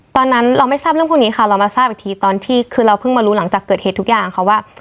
ตอนนั้นเราไม่ทราบเรื่องพวกนี้ค่ะเรามาทราบอีกทีตอนที่คือเราเพิ่งมารู้หลังจากเกิดเหตุทุกอย่างค่ะว่า